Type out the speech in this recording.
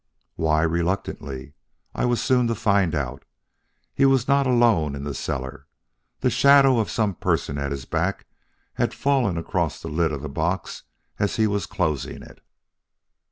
"Why reluctantly, I was soon to find out. He was not alone in the cellar. The shadow of some person at his back had fallen across the lid of the box as he was closing it.